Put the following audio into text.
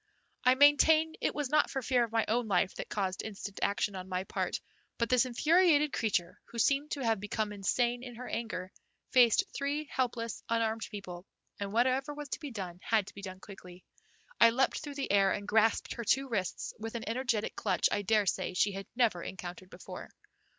I maintain it was not fear for my own life that caused instant action on my part, but this infuriated creature, who seemed to have become insane in her anger, faced three helpless, unarmed people, and whatever was to be done had to be done quickly. I leaped through the air, and grasped her two wrists with an energetic clutch I daresay she had never encountered before.